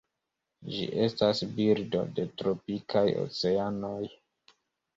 Ĝi estas birdo de tropikaj oceanoj.